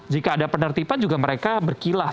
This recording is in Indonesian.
jika ada penertiban juga mereka berkilah